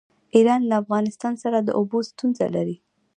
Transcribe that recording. ایران له افغانستان سره د اوبو ستونزه لري.